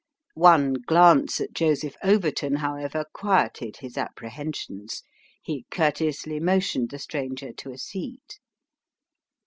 One glance at Joseph Overton, however, quieted his apprehensions. He courteously motioned the stranger to a seat.